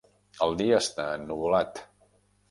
El dia està ennuvolat.